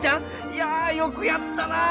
いやよくやったなあ。